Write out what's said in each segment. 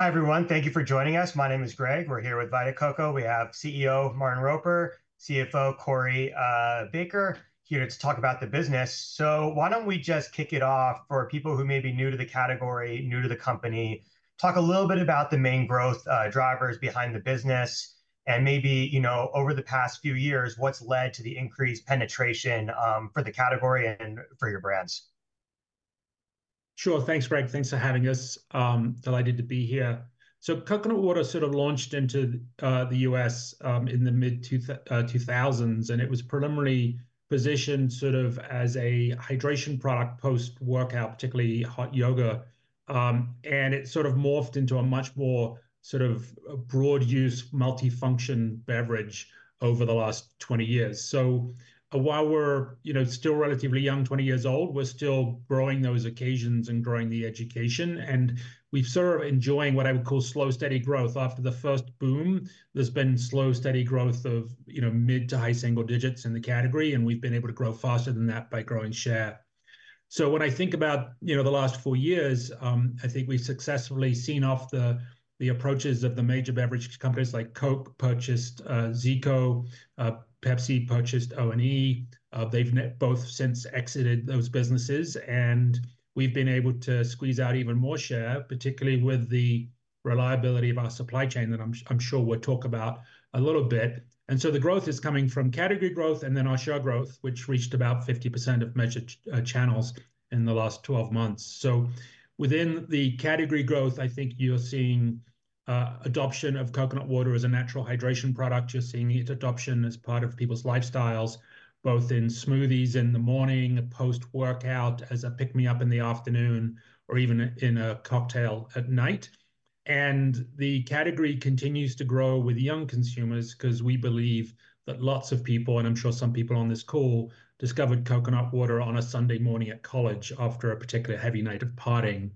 Hi, everyone. Thank you for joining us. My name is Greg. We're here with Vita Coco. We have CEO Martin Roper, CFO Corey Baker here to talk about the business. Why don't we just kick it off for people who may be new to the category, new to the company? Talk a little bit about the main growth drivers behind the business and maybe, you know, over the past few years, what's led to the increased penetration for the category and for your brands. Sure. Thanks, Greg. Thanks for having us. Delighted to be here. So Coconut Water sort of launched into the U.S. in the mid-2000s, and it was primarily positioned sort of as a hydration product post-workout, particularly hot yoga. And it sort of morphed into a much more sort of broad-use multifunctional beverage over the last 20 years. So while we're, you know, still relatively young, 20 years old, we're still growing those occasions and growing the education. And we've sort of enjoying what I would call slow, steady growth. After the first boom, there's been slow, steady growth of, you know, mid- to high-single digits in the category, and we've been able to grow faster than that by growing share. So when I think about, you know, the last four years, I think we've successfully seen off the approaches of the major beverage companies like Coke purchased ZICO, Pepsi purchased O.N.E. They've both since exited those businesses, and we've been able to squeeze out even more share, particularly with the reliability of our supply chain that I'm sure we'll talk about a little bit. And so the growth is coming from category growth and then our share growth, which reached about 50% of measured channels in the last 12 months. So within the category growth, I think you're seeing adoption of coconut water as a natural hydration product. You're seeing its adoption as part of people's lifestyles, both in smoothies in the morning, post-workout as a pick-me-up in the afternoon, or even in a cocktail at night. The category continues to grow with young consumers because we believe that lots of people, and I'm sure some people on this call, discovered coconut water on a Sunday morning at college after a particularly heavy night of partying.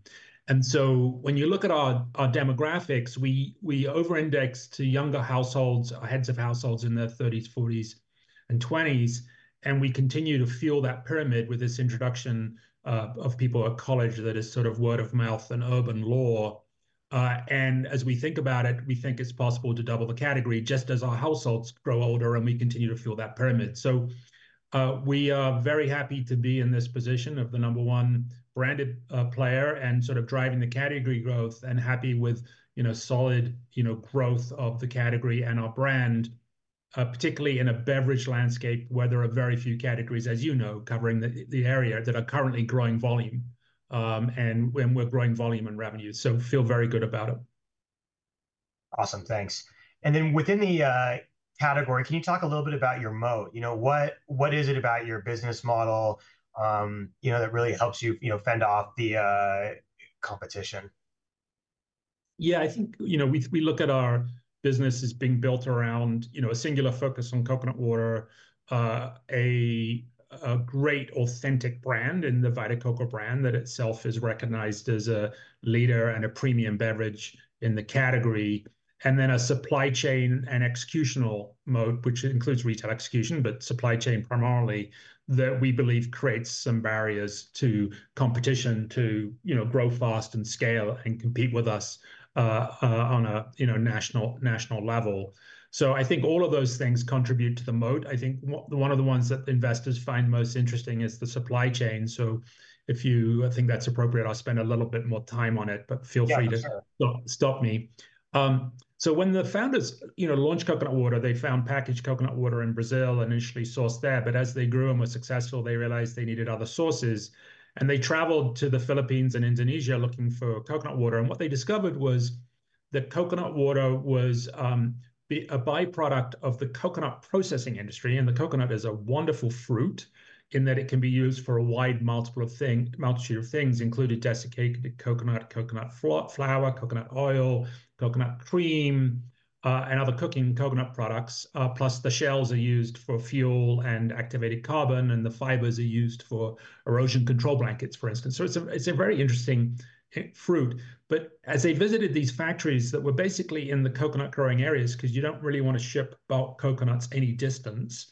So when you look at our demographics, we over-index to younger households, heads of households in their 30s, 40s, and 20s. We continue to fuel that pyramid with this introduction of people at college that is sort of word of mouth and urban lore. As we think about it, we think it's possible to double the category just as our households grow older and we continue to fuel that pyramid. So, we are very happy to be in this position of the number one branded player and sort of driving the category growth and happy with, you know, solid, you know, growth of the category and our brand, particularly in a beverage landscape, where there are very few categories, as you know, covering the area that are currently growing volume and we're growing volume and revenue. So, feel very good about it. Awesome. Thanks. And then within the category, can you talk a little bit about your moat? You know, what is it about your business model, you know, that really helps you, you know, fend off the competition? Yeah, I think, you know, we look at our business as being built around, you know, a singular focus on coconut water, a great authentic brand in the Vita Coco brand that itself is recognized as a leader and a premium beverage in the category. And then a supply chain and executional moat, which includes retail execution, but supply chain primarily that we believe creates some barriers to competition to, you know, grow fast and scale and compete with us on a, you know, national level. So I think all of those things contribute to the moat. I think one of the ones that investors find most interesting is the supply chain. So if you think that's appropriate, I'll spend a little bit more time on it, but feel free to stop me. So when the founders, you know, launched coconut water, they found packaged coconut water in Brazil and initially sourced there. But as they grew and were successful, they realized they needed other sources. And they traveled to the Philippines and Indonesia looking for coconut water. And what they discovered was that coconut water was a byproduct of the coconut processing industry. And the coconut is a wonderful fruit in that it can be used for a wide multitude of things, including desiccated coconut, coconut flour, coconut oil, coconut cream, and other cooking coconut products. Plus, the shells are used for fuel and activated carbon, and the fibers are used for erosion control blankets, for instance. So it's a very interesting fruit. But as they visited these factories that were basically in the coconut-growing areas, because you don't really want to ship coconuts any distance,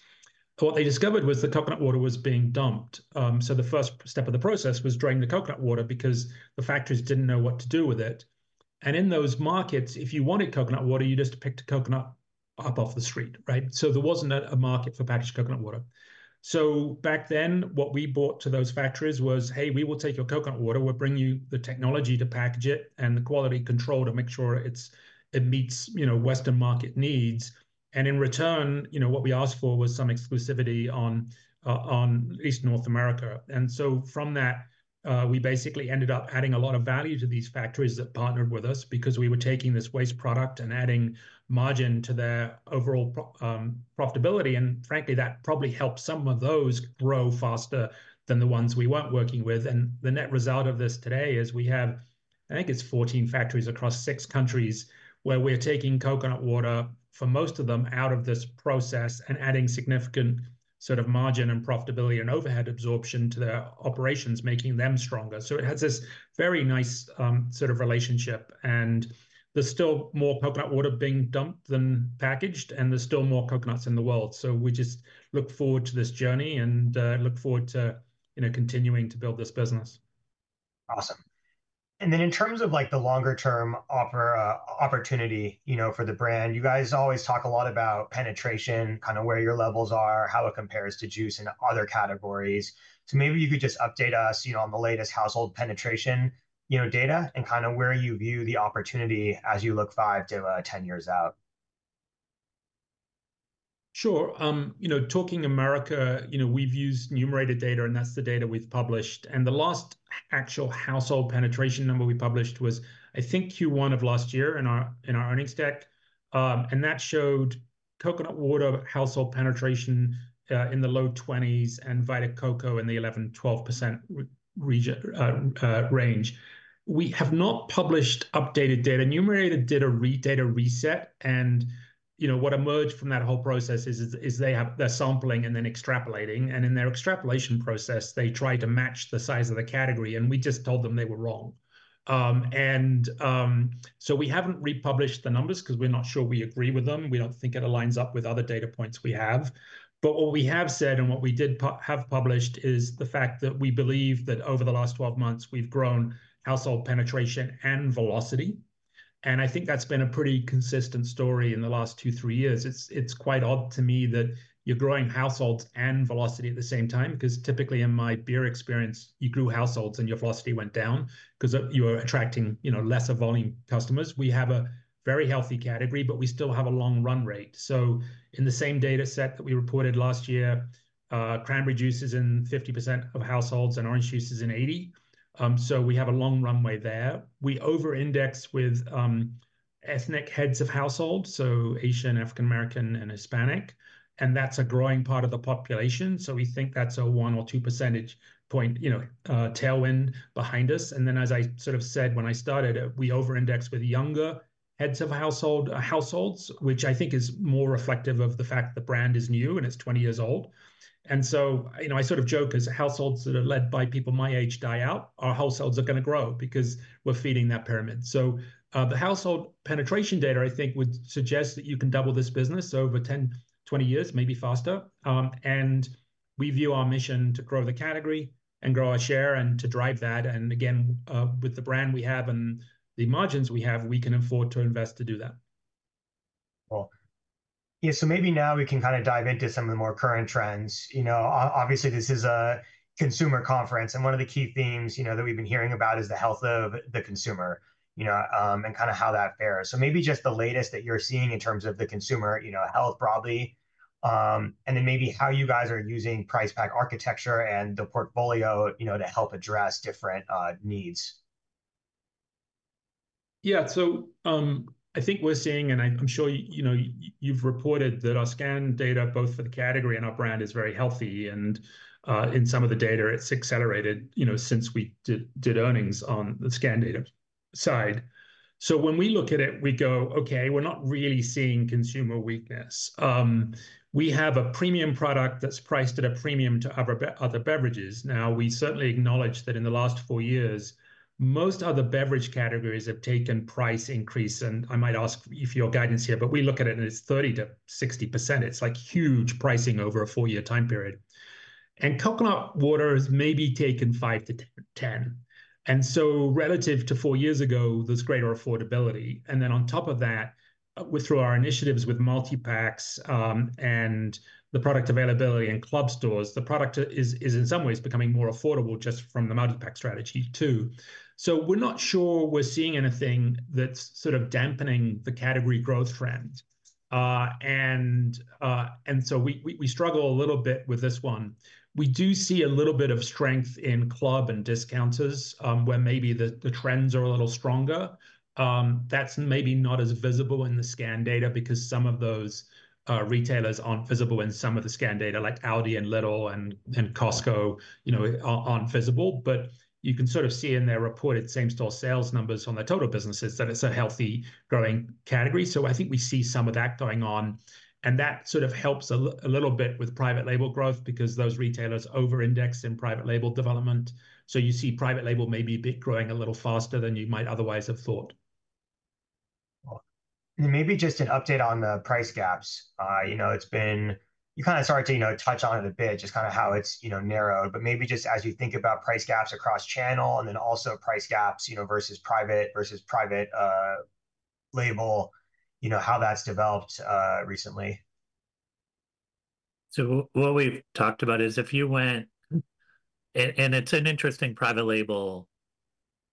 what they discovered was the coconut water was being dumped. So the first step of the process was draining the coconut water because the factories didn't know what to do with it. And in those markets, if you wanted coconut water, you just picked a coconut up off the street, right? So back then, what we brought to those factories was, hey, we will take your coconut water. We'll bring you the technology to package it and the quality control to make sure it meets, you know, Western market needs. And in return, you know, what we asked for was some exclusivity in eastern North America. And so from that, we basically ended up adding a lot of value to these factories that partnered with us because we were taking this waste product and adding margin to their overall profitability. And frankly, that probably helped some of those grow faster than the ones we weren't working with. And the net result of this today is we have, I think it's 14 factories across six countries where we're taking coconut water for most of them out of this process and adding significant sort of margin and profitability and overhead absorption to their operations, making them stronger. So it has this very nice sort of relationship. And there's still more coconut water being dumped than packaged, and there's still more coconuts in the world. So we just look forward to this journey and look forward to, you know, continuing to build this business. Awesome. And then in terms of like the longer-term opportunity, you know, for the brand, you guys always talk a lot about penetration, kind of where your levels are, how it compares to juice and other categories. So maybe you could just update us, you know, on the latest household penetration, you know, data and kind of where you view the opportunity as you look five to 10 years out. Sure. You know, talking America, you know, we've used Numerator data, and that's the data we've published. And the last actual household penetration number we published was, I think, Q1 of last year in our earnings deck. And that showed coconut water household penetration in the low 20s% and Vita Coco in the 11%-12% range. We have not published updated data, Numerator data reset. And, you know, what emerged from that whole process is they have their sampling and then extrapolating. And in their extrapolation process, they try to match the size of the category. And we just told them they were wrong. And so we haven't republished the numbers because we're not sure we agree with them. We don't think it aligns up with other data points we have. But what we have said and what we did have published is the fact that we believe that over the last 12 months, we've grown household penetration and velocity. And I think that's been a pretty consistent story in the last two, three years. It's quite odd to me that you're growing households and velocity at the same time because typically in my beer experience, you grew households and your velocity went down because you were attracting, you know, lesser volume customers. We have a very healthy category, but we still have a long run rate. So in the same data set that we reported last year, cranberry juice is in 50% of households and orange juice is in 80%. So we have a long runway there. We over-index with ethnic heads of households, so Asian, African American, and Hispanic. And that's a growing part of the population. So we think that's a 1 or 2 % point, you know, tailwind behind us. And then, as I sort of said when I started, we over-index with younger heads of households, which I think is more reflective of the fact the brand is new and it's 20 years old. And so, you know, I sort of joke as households that are led by people my age die out, our households are going to grow because we're feeding that pyramid. So the household penetration data, I think, would suggest that you can double this business over 10, 20 years, maybe faster. And we view our mission to grow the category and grow our share and to drive that. And again, with the brand we have and the margins we have, we can afford to invest to do that. Cool. Yeah. So maybe now we can kind of dive into some of the more current trends. You know, obviously this is a consumer conference and one of the key themes, you know, that we've been hearing about is the health of the consumer, you know, and kind of how that fares. So maybe just the latest that you're seeing in terms of the consumer, you know, health broadly, and then maybe how you guys are using price pack architecture and the portfolio, you know, to help address different needs. Yeah. So I think we're seeing, and I'm sure, you know, you've reported that our scan data both for the category and our brand is very healthy. And in some of the data, it's accelerated, you know, since we did earnings on the scan data side. So when we look at it, we go, okay, we're not really seeing consumer weakness. We have a premium product that's priced at a premium to other beverages. Now, we certainly acknowledge that in the last four years, most other beverage categories have taken price increase. And I might ask if your guidance here, but we look at it and it's 30%-60%. It's like huge pricing over a four-year time period. And coconut water has maybe taken 5%-10%. And so relative to four years ago, there's greater affordability. And then on top of that, through our initiatives with multi-packs and the product availability in club stores, the product is in some ways becoming more affordable just from the multi-pack strategy too. So we're not sure we're seeing anything that's sort of dampening the category growth trend. And so we struggle a little bit with this one. We do see a little bit of strength in club and discounters where maybe the trends are a little stronger. That's maybe not as visible in the scan data because some of those retailers aren't visible in some of the scan data like Aldi and Lidl and Costco, you know, aren't visible. But you can sort of see in their reported same-store sales numbers on their total businesses that it's a healthy growing category. So I think we see some of that going on. That sort of helps a little bit with Private Label growth because those retailers over-index in Private Label development. You see Private Label maybe a bit growing a little faster than you might otherwise have thought. Maybe just an update on the price gaps. You know, it's been, you kind of started to, you know, touch on it a bit, just kind of how it's, you know, narrowed, but maybe just as you think about price gaps across channel and then also price gaps, you know, vs private vs Private Label, you know, how that's developed recently. So what we've talked about is if you went, and it's an interesting Private Label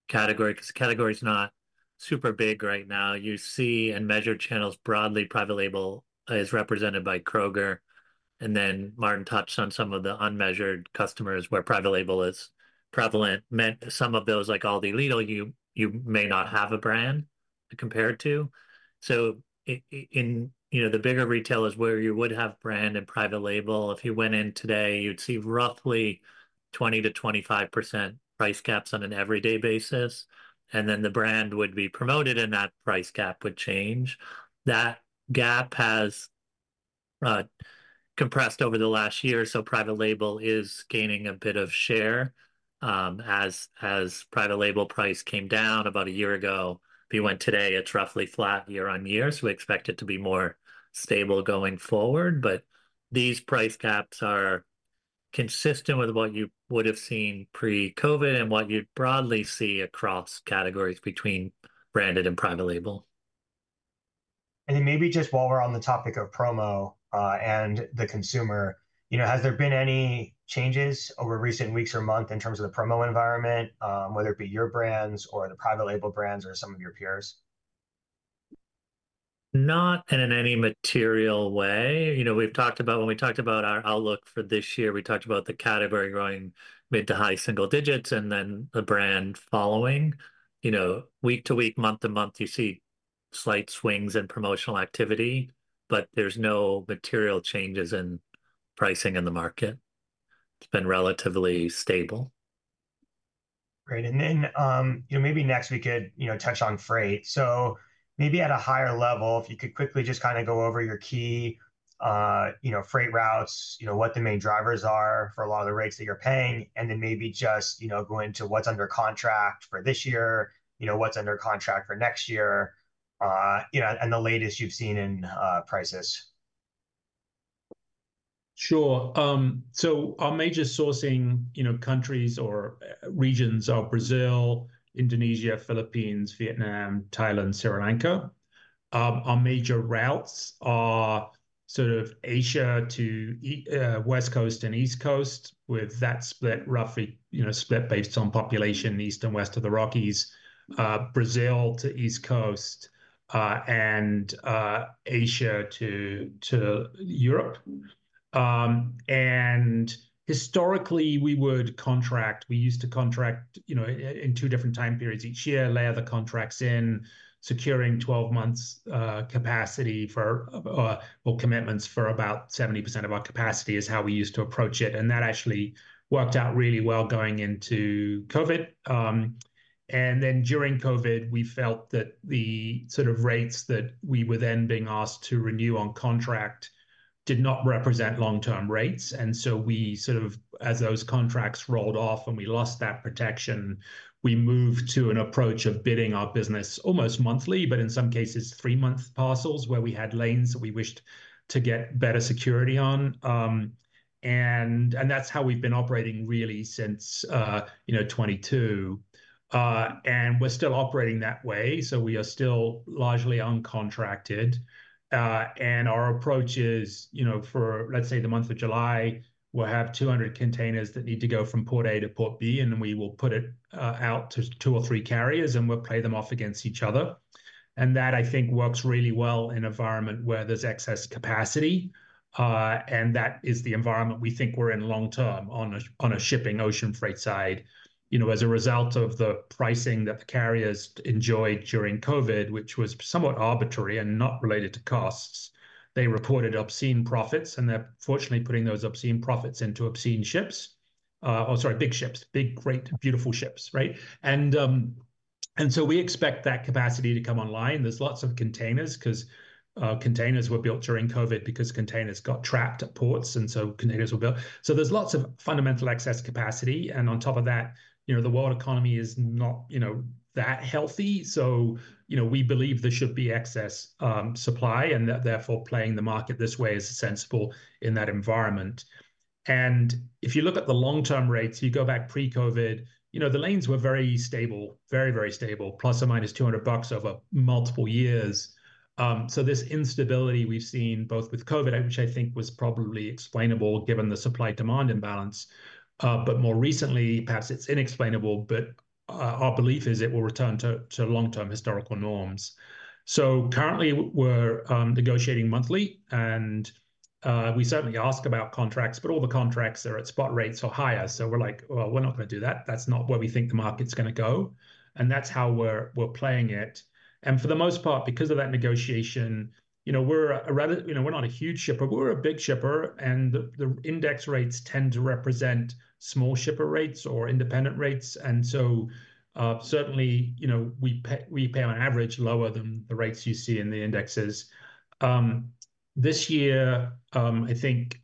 category because category is not super big right now. You see and measure channels broadly. Private Label is represented by Kroger. And then Martin touched on some of the unmeasured customers where Private Label is prevalent. Some of those, like Aldi, Lidl, you may not have a brand to compare it to. So in, you know, the bigger retail is where you would have brand and Private Label. If you went in today, you'd see roughly 20%-25% price gaps on an everyday basis. And then the brand would be promoted and that price gap would change. That gap has compressed over the last year. So Private Label is gaining a bit of share. As Private Label price came down about a year ago, if you went today, it's roughly flat year-over-year. So we expect it to be more stable going forward. But these price gaps are consistent with what you would have seen pre-COVID and what you'd broadly see across categories between branded and Private Label. And then maybe just while we're on the topic of promo and the consumer, you know, has there been any changes over recent weeks or months in terms of the promo environment, whether it be your brands or the Private Label brands or some of your peers? Not in any material way. You know, we've talked about when we talked about our outlook for this year, we talked about the category growing mid- to high-single-digits and then the brand following. You know, week to week, month to month, you see slight swings in promotional activity, but there's no material changes in pricing in the market. It's been relatively stable. Great. And then, you know, maybe next we could, you know, touch on freight. So maybe at a higher level, if you could quickly just kind of go over your key, you know, freight routes, you know, what the main drivers are for a lot of the rates that you're paying, and then maybe just, you know, go into what's under contract for this year, you know, what's under contract for next year, you know, and the latest you've seen in prices. Sure. So our major sourcing, you know, countries or regions are Brazil, Indonesia, Philippines, Vietnam, Thailand, Sri Lanka. Our major routes are sort of Asia to West Coast and East Coast with that split roughly, you know, split based on population east and west of the Rockies, Brazil to East Coast, and Asia to Europe. And historically, we would contract, we used to contract, you know, in two different time periods each year, layer the contracts in, securing 12 months capacity for or commitments for about 70% of our capacity is how we used to approach it. And that actually worked out really well going into COVID. And then during COVID, we felt that the sort of rates that we were then being asked to renew on contract did not represent long-term rates. So we sort of, as those contracts rolled off and we lost that protection, we moved to an approach of bidding our business almost monthly, but in some cases, three-month parcels where we had lanes that we wished to get better security on. That's how we've been operating really since, you know, 2022. We're still operating that way. We are still largely uncontracted. Our approach is, you know, for, let's say, the month of July, we'll have 200 containers that need to go from port A to port B, and we will put it out to two or three carriers and we'll play them off against each other. That, I think, works really well in an environment where there's excess capacity. That is the environment we think we're in long-term on a shipping ocean freight side. You know, as a result of the pricing that the carriers enjoyed during COVID, which was somewhat arbitrary and not related to costs, they reported obscene profits. And they're fortunately putting those obscene profits into obscene ships. Oh, sorry, big ships, big, great, beautiful ships, right? And so we expect that capacity to come online. There's lots of containers because containers were built during COVID because containers got trapped at ports. And so containers were built. So there's lots of fundamental excess capacity. And on top of that, you know, the world economy is not, you know, that healthy. So, you know, we believe there should be excess supply and that therefore playing the market this way is sensible in that environment. If you look at the long-term rates, you go back pre-COVID, you know, the lanes were very stable, very, very stable, ±$200 over multiple years. So this instability we've seen both with COVID, which I think was probably explainable given the supply-demand imbalance, but more recently, perhaps it's inexplainable, but our belief is it will return to long-term historical norms. So currently, we're negotiating monthly and we certainly ask about contracts, but all the contracts are at spot rates or higher. So we're like, well, we're not going to do that. That's not where we think the market's going to go. And that's how we're playing it. And for the most part, because of that negotiation, you know, we're a, you know, we're not a huge shipper, but we're a big shipper. And the index rates tend to represent small shipper rates or independent rates. And so certainly, you know, we pay on average lower than the rates you see in the indexes. This year, I think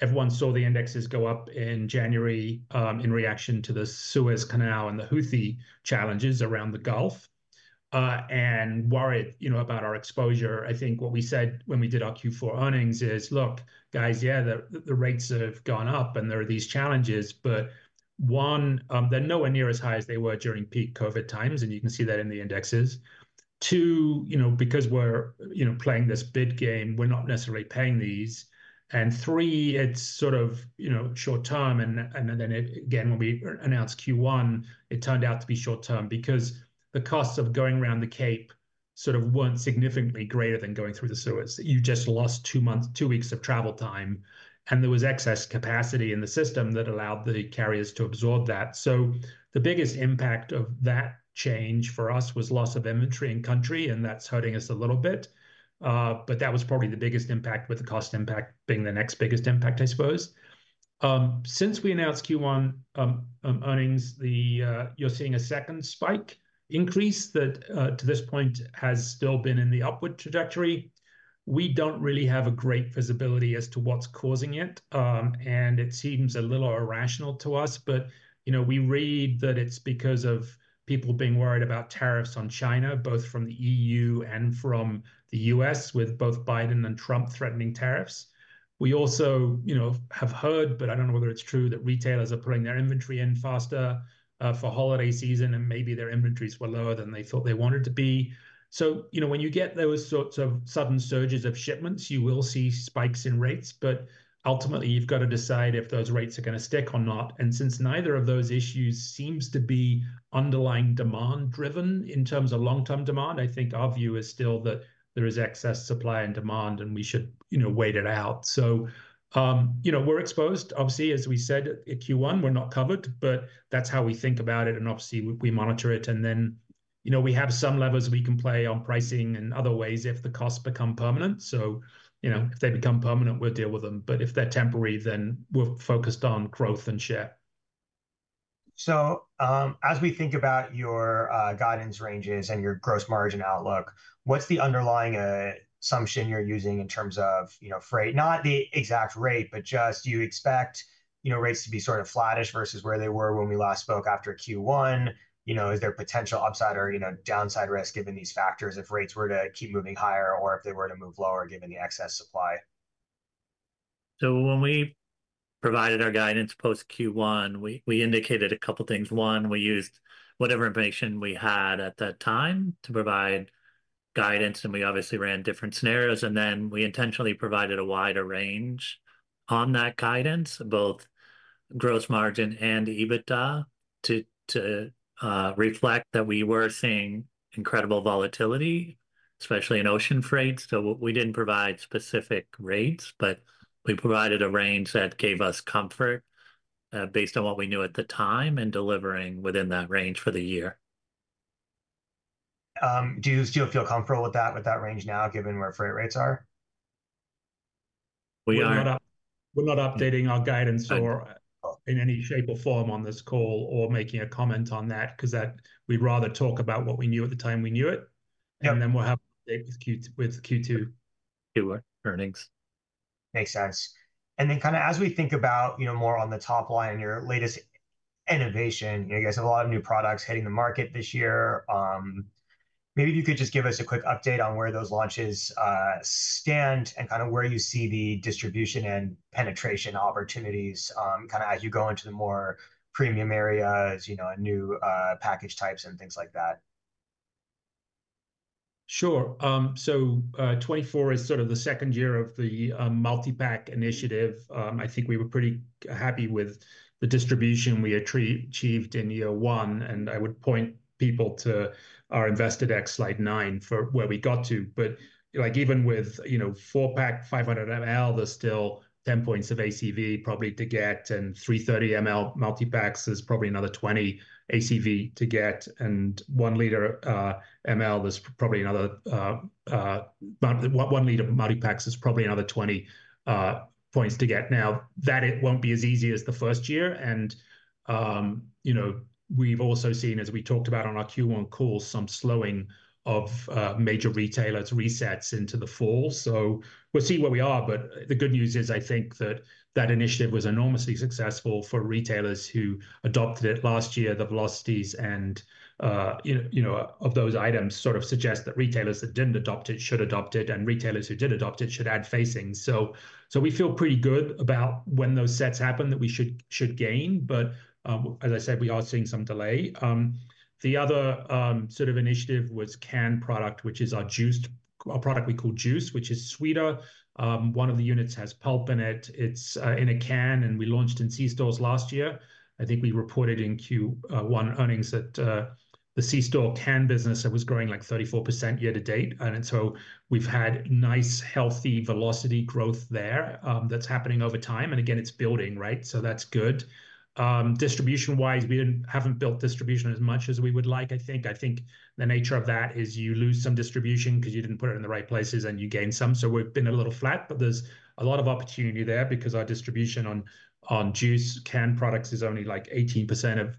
everyone saw the indexes go up in January in reaction to the Suez Canal and the Houthi challenges around the Gulf. And worried, you know, about our exposure, I think what we said when we did our Q4 earnings is, look, guys, yeah, the rates have gone up and there are these challenges, but one, they're nowhere near as high as they were during peak COVID times. And you can see that in the indexes. Two, you know, because we're, you know, playing this bid game, we're not necessarily paying these. And three, it's sort of, you know, short term. And then again, when we announced Q1, it turned out to be short-term because the costs of going around the Cape sort of weren't significantly greater than going through the Suez. You just lost two months, two weeks of travel time. And there was excess capacity in the system that allowed the carriers to absorb that. So the biggest impact of that change for us was loss of inventory in country. And that's hurting us a little bit. But that was probably the biggest impact with the cost impact being the next biggest impact, I suppose. Since we announced Q1 earnings, you're seeing a second spike increase that to this point has still been in the upward trajectory. We don't really have a great visibility as to what's causing it. It seems a little irrational to us, but, you know, we read that it's because of people being worried about tariffs on China, both from the E.U. and from the U.S., with both Biden and Trump threatening tariffs. We also, you know, have heard, but I don't know whether it's true that retailers are putting their inventory in faster for holiday season and maybe their inventories were lower than they thought they wanted to be. So, you know, when you get those sorts of sudden surges of shipments, you will see spikes in rates, but ultimately you've got to decide if those rates are going to stick or not. And since neither of those issues seems to be underlying demand driven in terms of long-term demand, I think our view is still that there is excess supply and demand and we should, you know, wait it out. So, you know, we're exposed, obviously, as we said at Q1, we're not covered, but that's how we think about it. And obviously, we monitor it. And then, you know, we have some levers we can play on pricing and other ways if the costs become permanent. So, you know, if they become permanent, we'll deal with them. But if they're temporary, then we're focused on growth and share. So as we think about your guidance ranges and your gross margin outlook, what's the underlying assumption you're using in terms of, you know, freight? Not the exact rate, but just do you expect, you know, rates to be sort of flattish vs where they were when we last spoke after Q1? You know, is there potential upside or, you know, downside risk given these factors if rates were to keep moving higher or if they were to move lower given the excess supply? When we provided our guidance post Q1, we indicated a couple of things. One, we used whatever information we had at that time to provide guidance. We obviously ran different scenarios. We intentionally provided a wider range on that guidance, both gross margin and EBITDA to reflect that we were seeing incredible volatility, especially in ocean freight. We didn't provide specific rates, but we provided a range that gave us comfort based on what we knew at the time and delivering within that range for the year. Do you still feel comfortable with that range now given where freight rates are? We're not updating our guidance in any shape or form on this call or making a comment on that because that we'd rather talk about what we knew at the time we knew it. And then we'll have an update with Q2. Q1 earnings. Makes sense. And then kind of as we think about, you know, more on the top line and your latest innovation, you know, you guys have a lot of new products hitting the market this year. Maybe if you could just give us a quick update on where those launches stand and kind of where you see the distribution and penetration opportunities kind of as you go into the more premium areas, you know, and new package types and things like that? Sure. So 2024 is sort of the second year of the multi-pack initiative. I think we were pretty happy with the distribution we achieved in year one. And I would point people to our investor deck slide nine for where we got to. But like even with, you know, four-pack 500 ml, there's still 10 points of ACV probably to get. And 330 ml multi-packs is probably another 20 ACV to get. And 1 liter ml is probably another 1 liter multi-packs is probably another 20 points to get. Now that it won't be as easy as the first year. And, you know, we've also seen, as we talked about on our Q1 call, some slowing of major retailers resets into the fall. So we'll see where we are. But the good news is I think that that initiative was enormously successful for retailers who adopted it last year. The velocities and, you know, of those items sort of suggest that retailers that didn't adopt it should adopt it and retailers who did adopt it should add facings. So we feel pretty good about when those sets happen that we should gain. But as I said, we are seeing some delay. The other sort of initiative was Canned Product, which is our juiced product we call juice, which is sweeter. One of the units has pulp in it. It's in a can. And we launched in C-stores last year. I think we reported in Q1 earnings that the C-store canned business that was growing like 34% year to date. And so we've had nice healthy velocity growth there that's happening over time. And again, it's building, right? So that's good. Distribution-wise, we haven't built distribution as much as we would like, I think. I think the nature of that is you lose some distribution because you didn't put it in the right places and you gain some. So we've been a little flat, but there's a lot of opportunity there because our distribution on Juiced canned products is only like 18.9%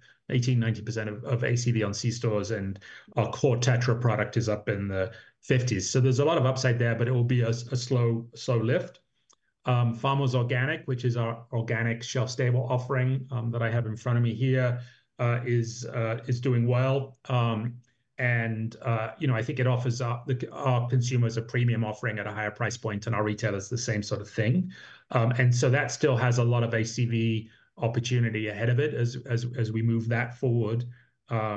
of ACV on C-stores and our core Tetra product is up in the 50s. So there's a lot of upside there, but it will be a slow lift. Farmers Organic, which is our organic shelf-stable offering that I have in front of me here, is doing well. You know, I think it offers our consumers a premium offering at a higher price point and our retailers the same sort of thing. So that still has a lot of ACV opportunity ahead of it as we move that forward.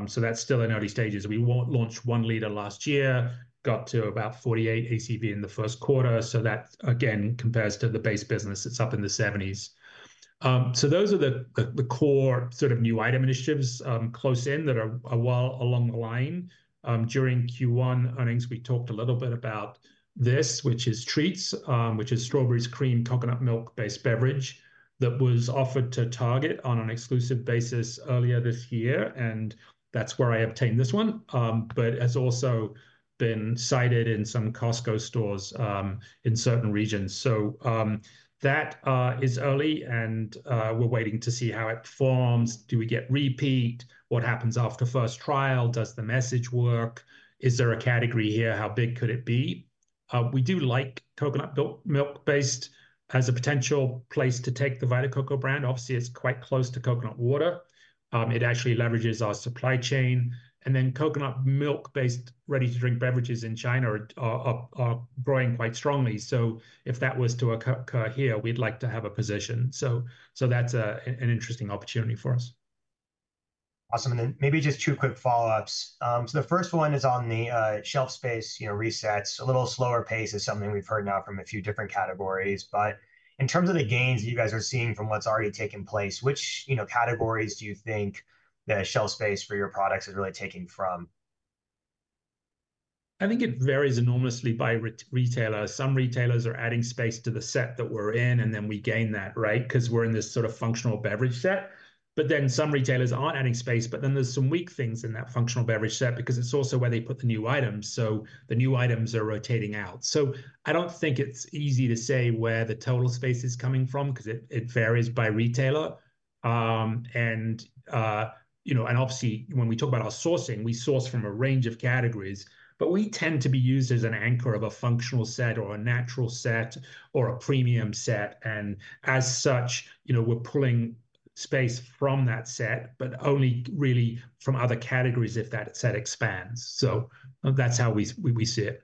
So that's still in early stages. We launched one liter last year, got to about 48 ACV in the first quarter. So that again compares to the base business. It's up in the 70s. So those are the core sort of new item initiatives close in that are a while along the line. During Q1 earnings, we talked a little bit about this, which is Treats, which is strawberries and cream, coconut milk-based beverage that was offered to Target on an exclusive basis earlier this year. And that's where I obtained this one, but has also been cited in some Costco stores in certain regions. So that is early and we're waiting to see how it performs. Do we get repeat? What happens after first trial? Does the message work? Is there a category here? How big could it be? We do like coconut milk-based as a potential place to take the Vita Coco brand. Obviously, it's quite close to coconut water. It actually leverages our supply chain. And then coconut milk-based ready-to-drink beverages in China are growing quite strongly. So if that was to occur here, we'd like to have a position. So that's an interesting opportunity for us. Awesome. And then maybe just two quick follow-ups. So the first one is on the shelf space, you know, resets. A little slower pace is something we've heard now from a few different categories. But in terms of the gains that you guys are seeing from what's already taken place, which, you know, categories do you think the shelf space for your products is really taking from? I think it varies enormously by retailer. Some retailers are adding space to the set that we're in and then we gain that, right? Because we're in this sort of functional beverage set. But then some retailers aren't adding space, but then there's some weak things in that functional beverage set because it's also where they put the new items. So the new items are rotating out. So I don't think it's easy to say where the total space is coming from because it varies by retailer. And, you know, and obviously when we talk about our sourcing, we source from a range of categories, but we tend to be used as an anchor of a functional set or a natural set or a premium set. And as such, you know, we're pulling space from that set, but only really from other categories if that set expands. So that's how we see it.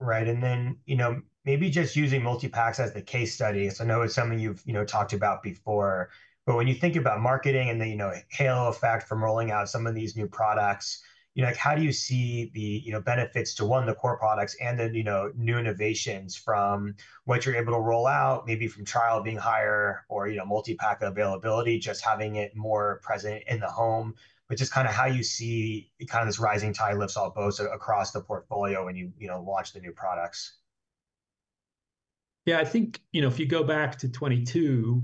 Right. And then, you know, maybe just using multi-packs as the case study. So I know it's something you've, you know, talked about before, but when you think about marketing and the, you know, halo effect from rolling out some of these new products, you know, like how do you see the, you know, benefits to one, the core products and then, you know, new innovations from what you're able to roll out, maybe from trial being higher or, you know, multi-pack availability, just having it more present in the home, which is kind of how you see kind of this rising tide lifts all boats across the portfolio when you, you know, launch the new products. Yeah, I think, you know, if you go back to 2022,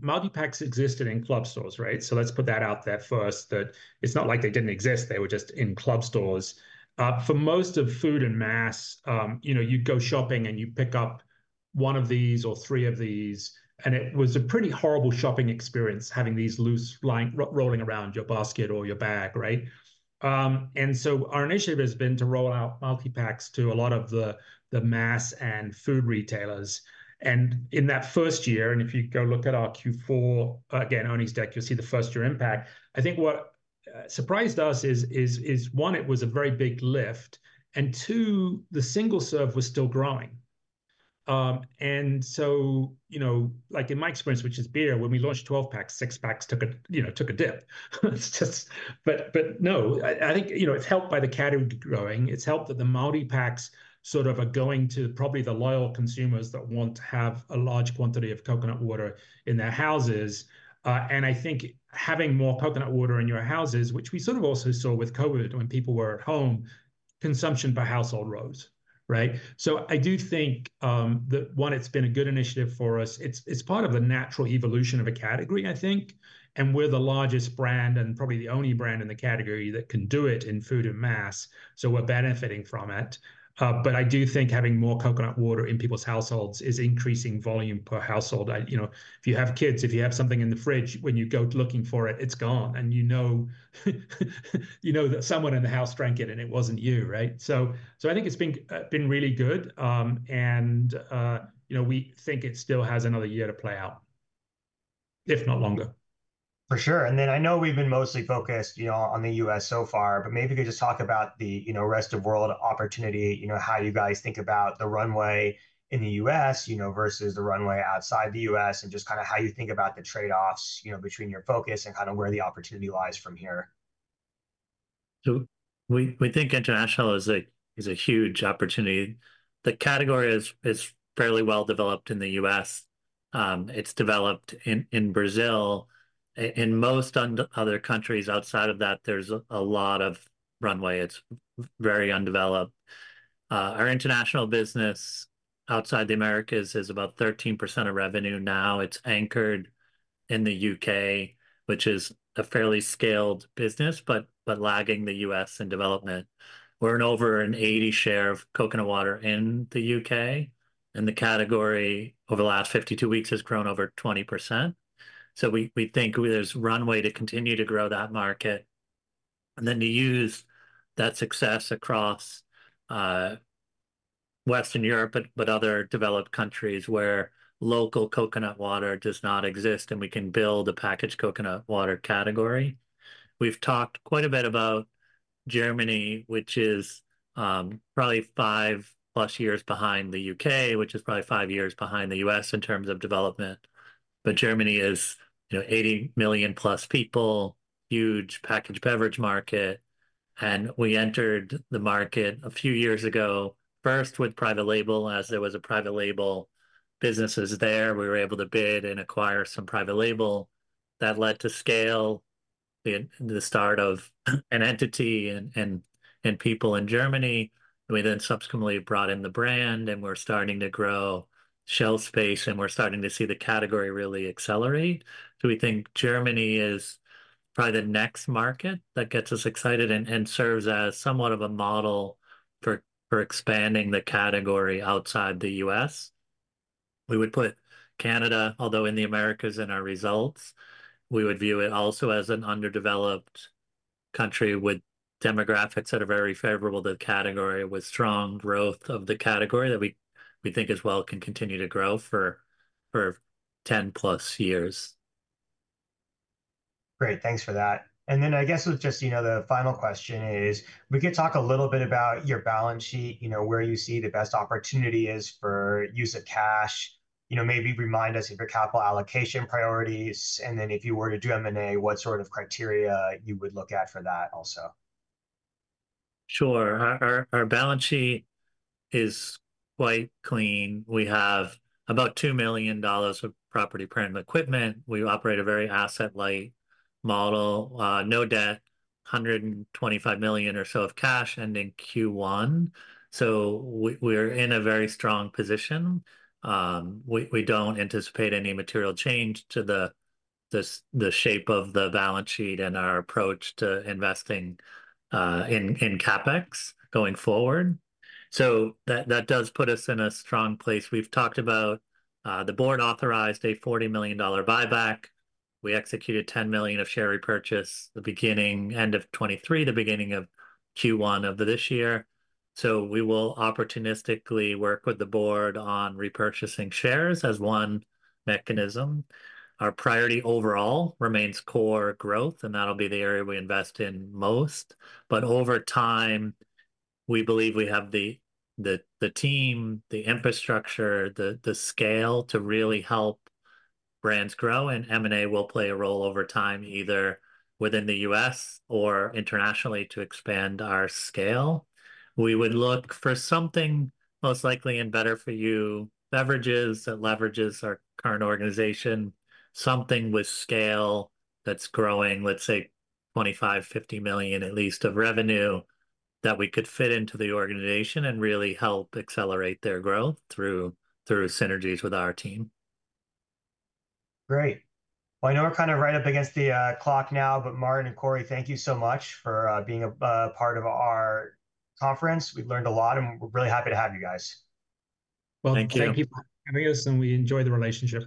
multi-packs existed in club stores, right? So let's put that out there first that it's not like they didn't exist. They were just in club stores. For most of food and mass, you know, you'd go shopping and you pick up one of these or three of these. And it was a pretty horrible shopping experience having these loose lines rolling around your basket or your bag, right? And so our initiative has been to roll out multi-packs to a lot of the mass and food retailers. And in that first year, and if you go look at our Q4, again, earnings deck, you'll see the first-year impact. I think what surprised us is one, it was a very big lift. And two, the single serve was still growing. And so, you know, like in my experience, which is beer, when we launched 12 packs, six packs took a, you know, took a dip. It's just, but, but no, I think, you know, it's helped by the category growing. It's helped that the multi-packs sort of are going to probably the loyal consumers that want to have a large quantity of coconut water in their houses. And I think having more coconut water in your houses, which we sort of also saw with COVID when people were at home, consumption by household rose, right? So I do think that one, it's been a good initiative for us. It's part of the natural evolution of a category, I think. And we're the largest brand and probably the only brand in the category that can do it in food and mass. So we're benefiting from it. But I do think having more coconut water in people's households is increasing volume per household. You know, if you have kids, if you have something in the fridge, when you go looking for it, it's gone. And you know, you know that someone in the house drank it and it wasn't you, right? So, so I think it's been really good. And, you know, we think it still has another year to play out, if not longer. For sure. And then I know we've been mostly focused, you know, on the U.S. so far, but maybe you could just talk about the, you know, rest of world opportunity, you know, how you guys think about the runway in the U.S., you know, vs the runway outside the U.S. and just kind of how you think about the trade-offs, you know, between your focus and kind of where the opportunity lies from here? So we think international is a huge opportunity. The category is fairly well developed in the U.S.. It's developed in Brazil. In most other countries outside of that, there's a lot of runway. It's very undeveloped. Our international business outside the Americas is about 13% of revenue now. It's anchored in the U.K., which is a fairly scaled business, but lagging the U.S. in development. We're in over an 80% share of coconut water in the U.K.. And the category over the last 52 weeks has grown over 20%. So we think there's runway to continue to grow that market and then to use that success across Western Europe, but other developed countries where local coconut water does not exist and we can build a packaged coconut water category. We've talked quite a bit about Germany, which is probably five plus years behind the U.K., which is probably five years behind the U.S. in terms of development. But Germany is, you know, 80 million+ people, huge packaged beverage market. And we entered the market a few years ago first with Private Label as there was a Private Label businesses there. We were able to bid and acquire some Private Label that led to scale, the start of an entity and people in Germany. We then subsequently brought in the brand and we're starting to grow shelf space and we're starting to see the category really accelerate. So we think Germany is probably the next market that gets us excited and serves as somewhat of a model for expanding the category outside the U.S.. We would put Canada, although in the Americas in our results, we would view it also as an underdeveloped country with demographics that are very favorable to the category with strong growth of the category that we think as well can continue to grow for 10+ years. Great. Thanks for that. And then I guess with just, you know, the final question is, we could talk a little bit about your balance sheet, you know, where you see the best opportunity is for use of cash, you know, maybe remind us of your capital allocation priorities. And then if you were to do M&A, what sort of criteria you would look at for that also. Sure. Our balance sheet is quite clean. We have about $2 million of property, plant and equipment. We operate a very asset-light model, no debt, $125 million or so of cash ending Q1. So we're in a very strong position. We don't anticipate any material change to the shape of the balance sheet and our approach to investing in CapEx going forward. So that does put us in a strong place. We've talked about the board authorized a $40 million buyback. We executed $10 million of share repurchase the beginning, end of 2023, the beginning of Q1 of this year. So we will opportunistically work with the board on repurchasing shares as one mechanism. Our priority overall remains core growth and that'll be the area we invest in most. Over time, we believe we have the team, the infrastructure, the scale to really help brands grow and M&A will play a role over time either within the U.S. or internationally to expand our scale. We would look for something most likely in better-for-you beverages that leverages our current organization, something with scale that's growing, let's say $25-$50 million at least of revenue that we could fit into the organization and really help accelerate their growth through synergies with our team. Great. Well, I know we're kind of right up against the clock now, but Martin and Corey, thank you so much for being a part of our conference. We've learned a lot and we're really happy to have you guys. Well, thank you. Thank you for having us and we enjoy the relationship.